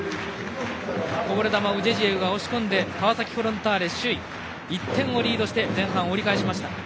こぼれ球をジェジエウが押し込んで川崎フロンターレ首位１点をリードして前半を折り返しました。